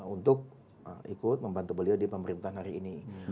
untuk ikut membantu beliau di pemerintahan hari ini